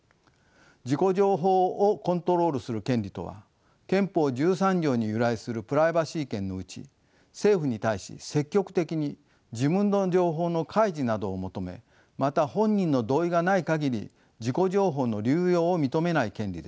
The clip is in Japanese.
自己情報をコントロールする権利とは憲法１３条に由来するプライバシー権のうち政府に対し積極的に自分の情報の開示などを求めまた本人の同意がない限り自己情報の流用を認めない権利です。